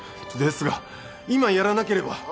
ですが今やらなければ。